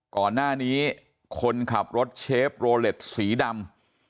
ก่อนหน้านี้คนขับรถเชฟโรเล็ตสีดำ